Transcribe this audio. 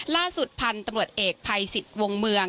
ล่าสุดพันธุ์ตำรวจเอกภัยสิทธิ์วงเมือง